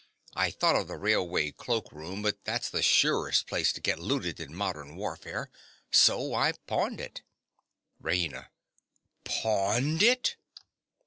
I thought of the railway cloak room; but that's the surest place to get looted in modern warfare. So I pawned it. RAINA. Pawned it!!!